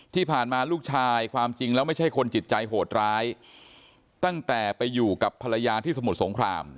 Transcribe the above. ที่ผ่านมาลูกชายความจริงแล้วไม่ใช่คนจิตใจโหดร้ายตั้งแต่ไปอยู่กับภรรยาที่สมุทรสงคราม